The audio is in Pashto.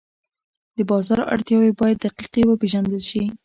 د بازار اړتیاوې باید دقیقې وپېژندل شي.